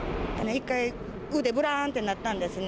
１回、腕ぶらーんってなったんですね。